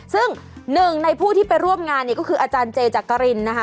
ซึ่งหนึ่งในผู้ที่ไปร่วมงานเนี่ยก็คืออาจารย์เจจักรินนะคะ